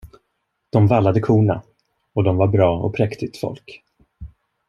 De vallade korna, och de var bra och präktigt folk.